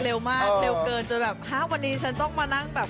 เร็วมากเร็วเกินจนแบบห้าวันนี้ฉันต้องมานั่งแบบ